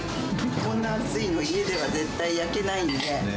こんな分厚いの、家では絶対焼けないんで。